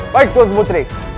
baik tuan putri